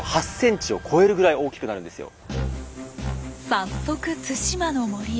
早速対馬の森へ。